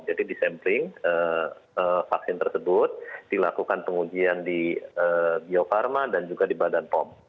jadi disampling vaksin tersebut dilakukan pengujian di bio farma dan juga di badan pom